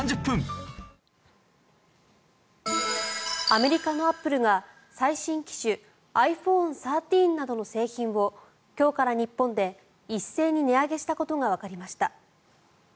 アメリカのアップルが最新機種ｉＰｈｏｎｅ１３などの製品を今日から日本で一斉に値上げしたことがわかりました。